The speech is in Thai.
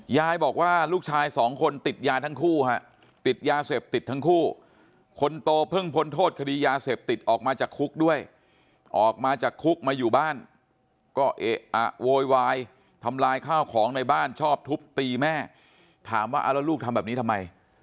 ยายบอกว่าลูกชายสองคนติดยาทั้งคู่ฮะติดยาเสพติดทั้งคู่คนโตเพิ่งพ้นโทษคดียาเสพติดออกมาจากคุกด้วยออกมาจากคุกมาอยู่บ้านก็เอ๊ะอะโวยวายทำลายข้าวของในบ้านชอบทุบตีแม่ถามว่าเอาแล้วลูกทำแบบนี้ทำไม